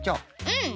うん。